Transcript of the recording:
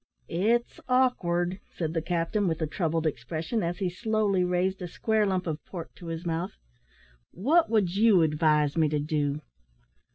"It's awkward," said the captain, with a troubled expression, as he slowly raised a square lump of pork to his mouth; "what would you advise me to do?"